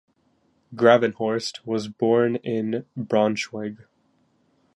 Gravenhorst was born in Braunschweig.